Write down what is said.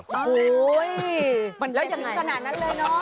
โหมันเหียดถึงขนาดนั้นเลยเนาะ